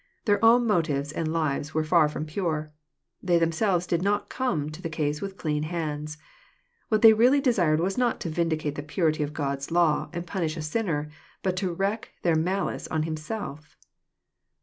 Their own mo tives and lives were far from pure. They themselves did not come into the case with clean hands. What they really desired was not to vindicate the purity of God's law, and punish a sinner, but to wreak their malice on Himself.